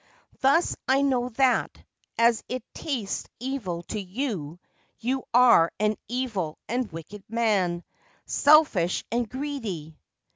Thus I know that, as it tastes evil to you, you are an evil and wicked man, selfish and greedy.'